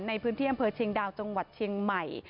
ในพื้นที่อำเภอเชียงดาวจังหวัดเชียงใหม่